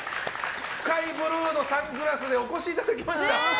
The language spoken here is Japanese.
スカイブルーのサングラスでお越しいただきました。